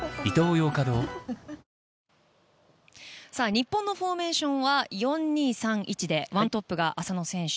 日本のフォーメーションは４−２−３−１で１トップが浅野選手。